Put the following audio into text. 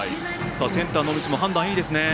センター野道も判断がいいですね。